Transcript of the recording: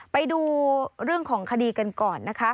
ไปดูเรื่องของคดีกันก่อนนะคะ